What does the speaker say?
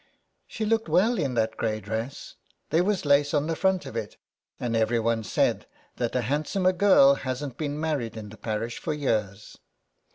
" She looked well in that grey dress ; there was lace on the front of it, and everyone said that a hand somer girl hasn't been married in the parish for years.